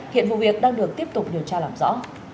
hiện vụ việc đang được tiếp tục điều tra làm rõ